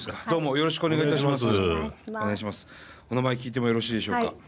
お名前聞いてもよろしいでしょうか？